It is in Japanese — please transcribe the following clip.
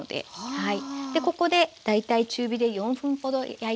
はい。